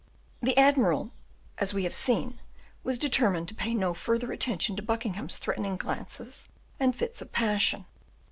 The admiral, as we have seen, was determined to pay no further attention to Buckingham's threatening glances and fits of passion.